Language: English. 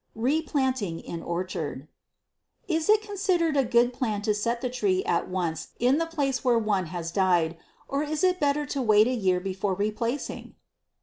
Replanting in Orchard. Is it considered a good plan to set the tree at once in the place where one has died, or is it better to wait a year before replacing?